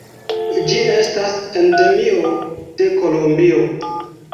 Ĝi estas endemio de Kolombio.